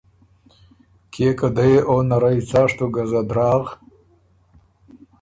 کيې که دۀ يې او نرئ څاشتُو ګزه دراغ